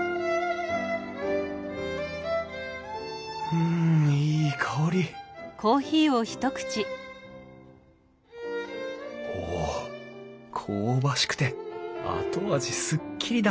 うんいい香りお香ばしくて後味スッキリだ！